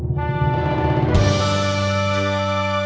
โบราณนี้ที่มากเท่าไหร่